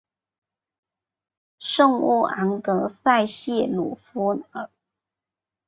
圣乌昂德塞谢鲁夫尔。